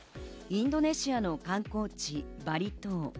インドネシアの観光地・バリ島。